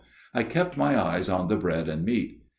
I kept my eyes on the bread and meat.